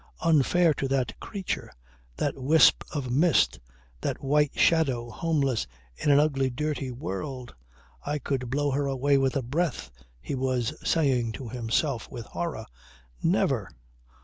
Unfair to that creature that wisp of mist, that white shadow homeless in an ugly dirty world. I could blow her away with a breath," he was saying to himself with horror. "Never!"